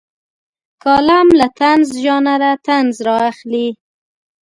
کالم له طنز ژانره طنز رااخلي.